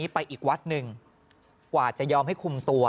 ไปอีกวัดหนึ่งกว่าจะยอมให้คุมตัว